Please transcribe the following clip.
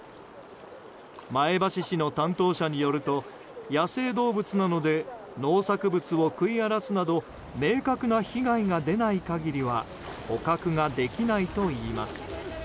前橋市の担当者によると野生動物なので農作物を食い荒らすなど明確な被害が出ない限りは捕獲ができないといいます。